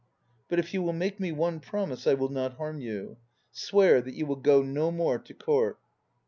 But if you will make me one promise, I will not harm you. Swear that you will go no more to Court!"